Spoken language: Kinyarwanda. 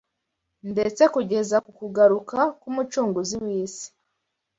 ndetse kugeza ku kugaruka k’Umucunguzi w’isi